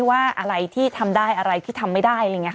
ว่าอะไรที่ทำได้อะไรที่ทำไม่ได้อะไรอย่างนี้ค่ะ